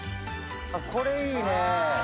これいいね。